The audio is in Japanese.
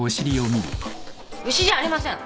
牛じゃありません！